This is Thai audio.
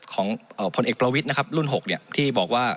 ของพลเอกประวิทรุ่น๖ที่บอกว่า